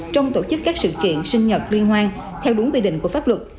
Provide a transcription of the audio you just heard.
trong tổ chức các sự kiện sinh nhật liên hoan theo đúng quy định của pháp luật